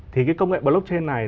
thì cái công nghệ blockchain này